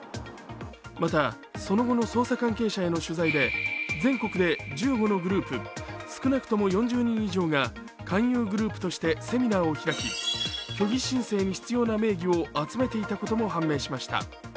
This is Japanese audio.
また、その後の捜査関係者への取材で全国で１５のグループ少なくとも４０人以上が、勧誘グループとしてセミナーを開き虚偽申請に必要な名義を集めていたことも判明しました。